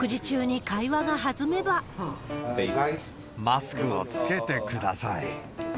マスクを着けてください。